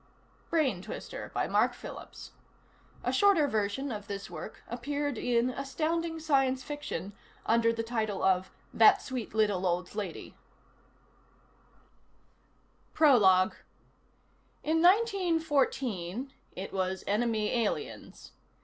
Brain Twister Mark Phillips A shorter version of this work appeared in Astounding Science Fiction under the title of That Sweet Little Old Lady. Prologue In nineteen fourteen, it was enemy aliens.